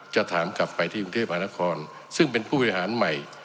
จะถามกลับไปที่กรุงเทพหานครซึ่งเป็นผู้บริหารใหม่